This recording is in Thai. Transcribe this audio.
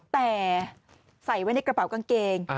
แต่ใส่ไว้ในกระเป๋ากางเกง